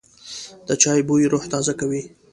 د چای بوی روح تازه کوي.